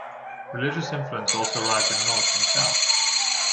Religious influence also arrived in North from south.